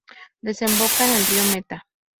Desemboca en el río Meta.